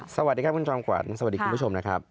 สวัสดีครับคุณจอมขวัญสวัสดีคุณผู้ชมนะครับ